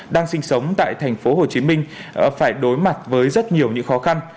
đang sinh sống tại tp hcm phải đối mặt với rất nhiều những khó khăn